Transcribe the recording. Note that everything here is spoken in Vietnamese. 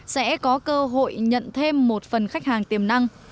sẽ có cơ hội nhận thêm một phần khách hàng tiềm năng